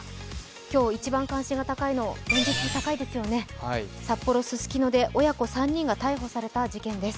今日一番関心が高いのは連日高いですよねｍ、札幌ススキノで親子３人が逮捕された事件です。